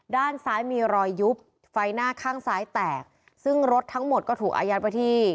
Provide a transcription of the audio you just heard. ด้านซ้ายมีรอยยุบไฟหน้าข้างซ้ายแตกซึ่งรถทั้งหมดก็ถูกอายัดไว้ที่